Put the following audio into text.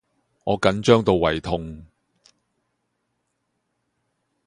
我緊張到胃痛